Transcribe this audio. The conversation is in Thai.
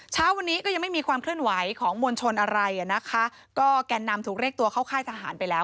เช้าวันนี้ก็ยังไม่มีความเคลื่อนไหวของมวลชนอะไรอ่ะนะคะก็แก่นนำถูกเรียกตัวเข้าค่ายทหารไปแล้ว